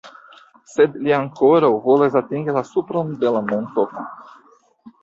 Sed li ankoraŭ volas atingi la supron de la monto.